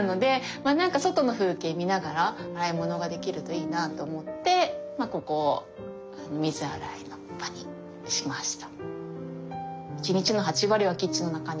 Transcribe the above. まあなんか外の風景見ながら洗い物ができるといいなあと思ってここを水洗いの場にしました。